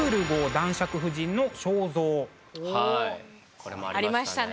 これもありましたね。